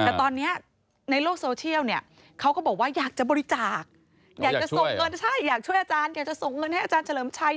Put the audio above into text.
แต่ตอนนี้ในโลกโซเชียลเขาก็บอกว่าอยากจะบริจาคอยากจะส่งเงินให้อาจารย์เฉลิมชัย